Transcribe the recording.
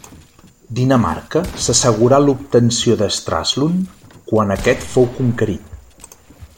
Dinamarca s'assegurà l'obtenció de Stralsund, quan aquest fou conquerit.